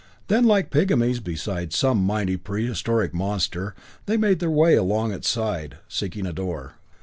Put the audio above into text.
Then, like pygmies beside some mighty prehistoric monster, they made their way along its side, seeking a door.